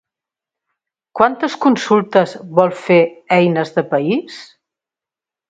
Quantes consultes vol fer Eines de País?